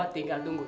oh tinggal tunggu